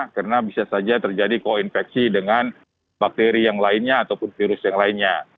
karena bisa saja terjadi koinfeksi dengan bakteri yang lainnya ataupun virus yang lainnya